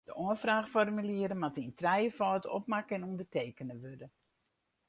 De oanfraachformulieren moatte yn trijefâld opmakke en ûndertekene wurde.